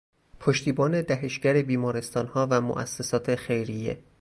پشتیبان دهشگر بیمارستانها و موسسات خیریه